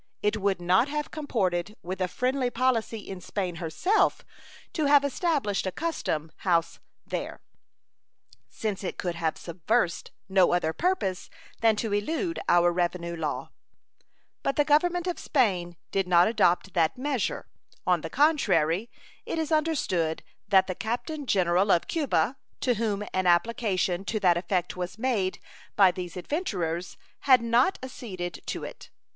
It would not have comported with a friendly policy in Spain herself to have established a custom house there, since it could have subserved no other purpose than to elude our revenue law. But the Government of Spain did not adopt that measure. On the contrary, it is understood that the Captain General of Cuba, to whom an application to that effect was made by these adventurers, had not acceded to it.